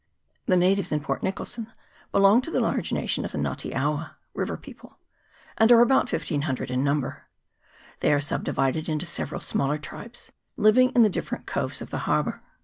The natives in Port Nicholson belong to the large nation of the Nga te awa (river people), and are about 1500 in number. They are subdivided into several smaller tribes, living in the different coves of the harbour.